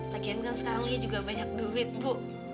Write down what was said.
lagian kan sekarang lagi juga banyak duit bu